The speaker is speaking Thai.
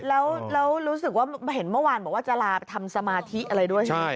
แล้วรู้สึกว่าเห็นเมื่อวานบอกว่าจะลาไปทำสมาธิอะไรด้วยใช่ไหม